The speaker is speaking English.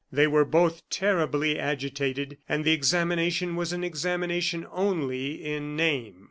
They were both terribly agitated, and the examination was an examination only in name.